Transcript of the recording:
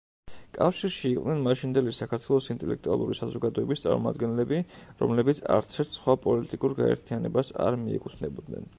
კავშირში იყვნენ მაშინდელი საქართველოს ინტელექტუალური საზოგადოების წარმომადგენლები, რომლებიც არცერთ სხვა პოლიტიკურ გაერთიანებას არ მიეკუთვნებოდნენ.